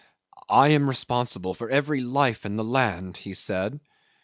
"I am responsible for every life in the land," he said.